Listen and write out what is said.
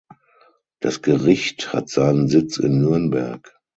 Das Gericht hat seinen Sitz in Nürnberg.